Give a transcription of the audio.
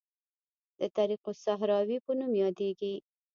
د طریق الصحراوي په نوم یادیږي.